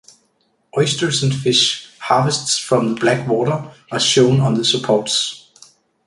Oysters and fish, harvests from the Blackwater, are shown on the supports.